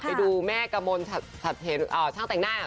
ไปดูแม่กระม่นช่างแต่งหน้าก็บอกเหมือนกันว่า